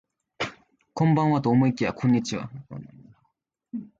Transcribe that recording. こんばんはと思いきやこんにちは